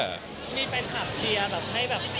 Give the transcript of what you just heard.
มากขึ้นให้เป็นคลับเชียร์แบบให้แบบ